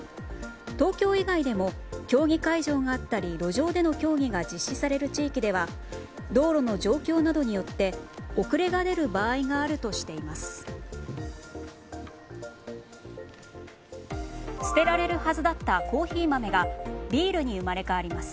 東京以外でも競技会場があったり路上での競技が実施される地域では道路の状況などによって遅れが出る場合があるとしています。